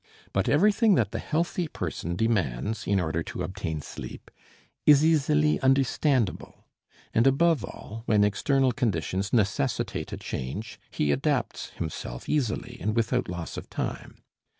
But everything that the healthy person demands in order to obtain sleep is easily understandable and, above all, when external conditions necessitate a change, he adapts himself easily and without loss of time.